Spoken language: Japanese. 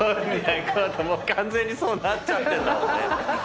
完全にそうなっちゃってんだもんね。